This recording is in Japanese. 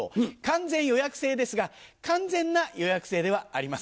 完全予約制ですが完全な予約制ではありません。